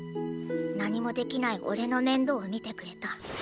何もできないおれの面倒を見てくれた。